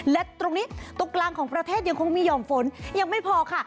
และตรงนี้ตรงกลางของประเทศยังคงมีห่อมฝนยังไม่พอค่ะ